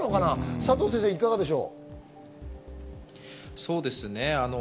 佐藤さん、いかがでしょう？